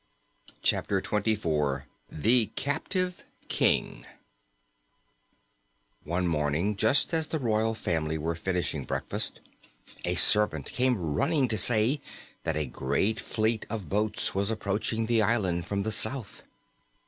Chapter Twenty Four The Captive King One morning, just as the royal party was finishing breakfast, a servant came running to say that a great fleet of boats was approaching the island from the south.